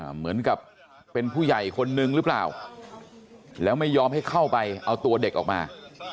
เหมือนกับเป็นผู้ใหญ่คนนึงหรือเปล่าแล้วไม่ยอมให้เข้าไปเอาตัวเด็กออกมา